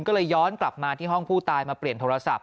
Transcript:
ก็เลยย้อนกลับมาที่ห้องผู้ตายมาเปลี่ยนโทรศัพท์